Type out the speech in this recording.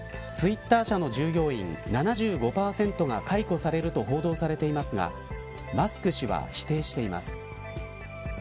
ツイッター社の従業員７５％が解雇されると報道されていますがマスク氏は否定しています。